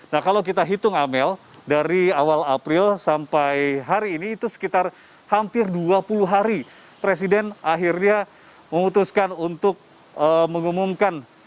nah kalau kita hitung amel dari awal april sampai hari ini itu sekitar hampir dua puluh hari presiden akhirnya memutuskan untuk mengumumkan